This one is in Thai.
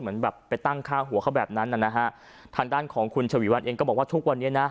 เหมือนแบบไปตั้งค่าหัวเขาแบบนั้นนะฮะทางด้านของคุณชวีวันเองก็บอกว่าทุกวันนี้นะ